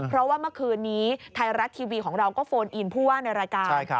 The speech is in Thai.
เพราะว่าเมื่อคืนนี้ไทยรัฐทีวีของเราก็โฟนอินผู้ว่าในรายการ